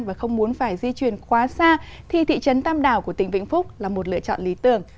và không muốn phải di chuyển quá xa thì thị trấn tam đảo của tỉnh vĩnh phúc là một lựa chọn lý tưởng